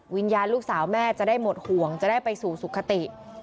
วิญญาณลูกสาวแม่จะได้หมดห่วงจะได้ไปสู่สุขติ